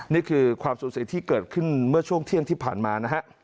นี่คือความสูญเสียที่เกิดขึ้นเมื่อช่วงเที่ยงที่ผ่านมานะฮะ